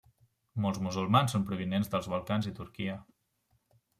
Molts musulmans són provinents dels Balcans i Turquia.